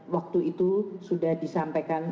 waktu itu sudah disampaikan